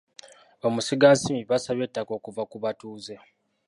Bamusigansimbi baasabye ettaka okuva ku batuuze.